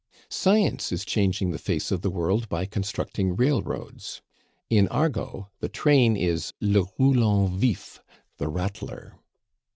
Science is changing the face of the world by constructing railroads. In Argot the train is le roulant Vif, the Rattler.